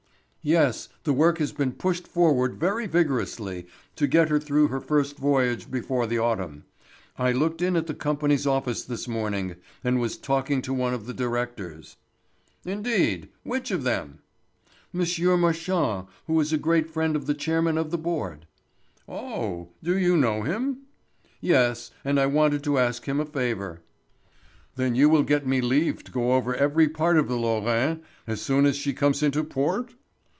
"Yes. The work has been pushed forward very vigorously, to get her through her first voyage before the autumn. I looked in at the Company's office this morning, and was talking to one of the directors." "Indeed! Which of them?" "M. Marchand, who is a great friend of the Chairman of the Board." "Oh! Do you know him?" "Yes. And I wanted to ask him a favour." "Then you will get me leave to go over every part of the Lorraine as soon as she comes into port?"